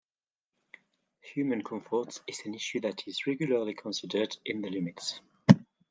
Human comfort is an issue that is regularly considered in the limits.